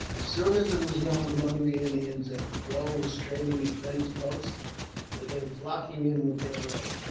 As soon as it was known among the Indians that the Crow was trading at Bent's post, they came flocking in with their robes.